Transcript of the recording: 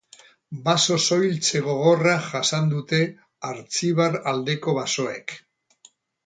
Baso-soiltze gogorra jasan dute Artzibar aldeko basoek.